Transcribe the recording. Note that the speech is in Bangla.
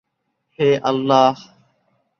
হে আল্লাহ!